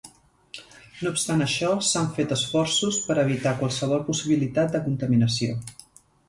No obstant això, s'han fet esforços per evitar qualsevol possibilitat de contaminació.